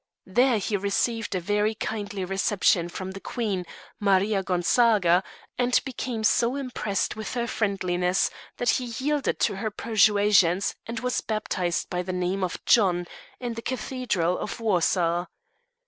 There he received a very kindly reception from the Queen, Maria Gonzaga, and became so impressed with her friendliness that he yielded to her persuasions, and was baptized by the name of John in the Cathedral of Warsaw.